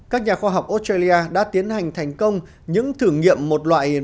các nhà khoa học australia đã tiến hành thành công những thử nghiệm một loại